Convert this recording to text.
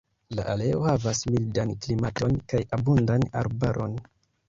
La areo havas mildan klimaton kaj abundan arbaron.